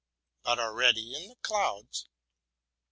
But already in the '*Clouds,'?